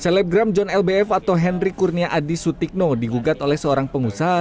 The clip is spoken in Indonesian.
selebgram john lbf atau henry kurnia adi sutikno digugat oleh seorang pengusaha